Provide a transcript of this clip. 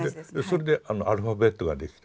それでアルファベットができた。